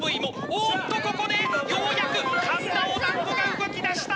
おっと、ここでようやく神田オダンゴが動き出した。